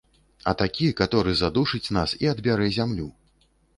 А такі, каторы задушыць нас і адбярэ зямлю.